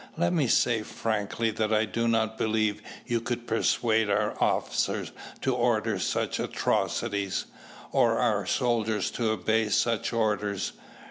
Let me say frankly that I do not believe you could persuade our officers to order such atrocities, or our soldiers to obey such orders.